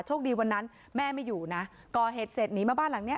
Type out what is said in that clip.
คดีวันนั้นแม่ไม่อยู่นะก่อเหตุเสร็จหนีมาบ้านหลังเนี้ย